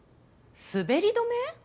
滑り止め？